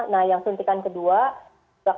nah yang suntikan kedua